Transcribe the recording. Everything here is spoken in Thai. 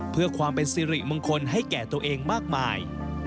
เพื่อความเป็นสิริมงคลให้แก่ตัวเองมากมาย